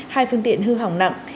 hai phương tiện hư hỏng nặng